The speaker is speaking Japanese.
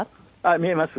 見えます。